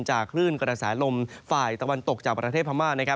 คลื่นกระแสลมฝ่ายตะวันตกจากประเทศพม่า